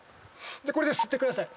これで吸ってください。